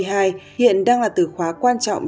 hiện đang là từ khóa quan trọng